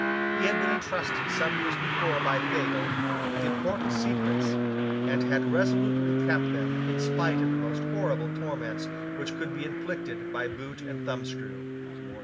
He had been entrusted some years before by Fagel with important secrets, and had resolutely kept them in spite of the most horrible torments which could be inflicted by boot and thumbscrew.